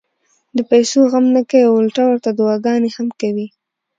د پېسو غم نۀ کوي او الټا ورته دعاګانې هم کوي -